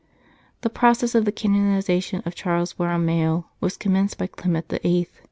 The process of the canonization of Charles Borromeo was commenced by Clement VIII.